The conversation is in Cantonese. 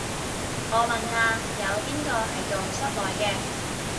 我問下，有邊個係做室內嘅